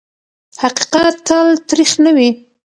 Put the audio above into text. حقیقت تل تریخ نه وي.